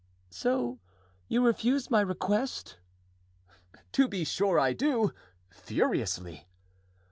"So you refuse my request?" "To be sure I do—furiously!"